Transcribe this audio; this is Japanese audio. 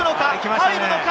入るのか？